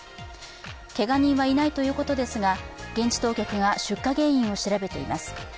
けが人はいないということですが、現地当局が出火原因を調べています。